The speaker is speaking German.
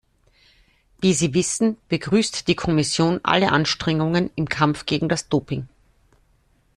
Wie Sie wissen, begrüßt die Kommission alle Anstrengungen im Kampf gegen das Doping.